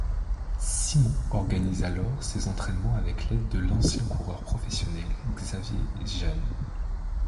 Simon organise alors ses entrainements avec l'aide de l'ancien coureur professionnel Xavier Jan.